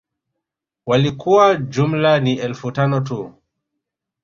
Walikuwa jumla ni Elfu tano tu